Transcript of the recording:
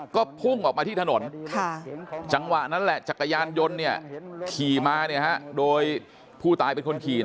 ก็พุ่งออกมาที่ถนนจังหวะนั้นแหละจักรยานยนต์เนี่ยขี่มาเนี่ยฮะโดยผู้ตายเป็นคนขี่